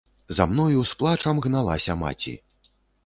За мною з плачам гналася маці.